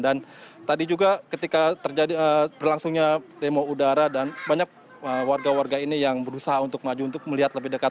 dan tadi juga ketika terjadi berlangsungnya demo udara dan banyak warga warga ini yang berusaha untuk maju untuk melihat lebih dekat